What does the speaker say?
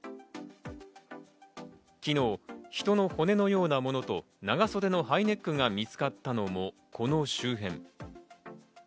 昨日、人の骨のようなものと長袖のハイネックが見つかったのも、この周辺。